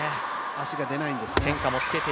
足が出ないんですね。